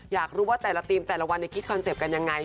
อยากรู้ว่าแต่ละทีมแต่ละวันคิดคอนเซ็ปต์กันยังไง